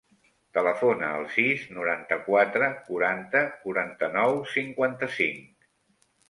Telefona al sis, noranta-quatre, quaranta, quaranta-nou, cinquanta-cinc.